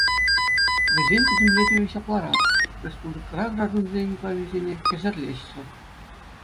Вӗсен пӗтӗмлетӗвӗ ҫапларах: республикӑра граждансен прависене хӗсӗрлеҫҫӗ.